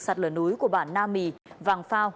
sạt lở núi của bản nam mì vàng phao